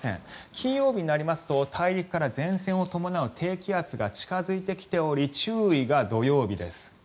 金曜日になりますと大陸から前線を伴う低気圧が近付いてきており注意が土曜日です。